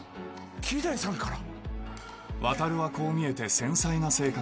桐谷さんから？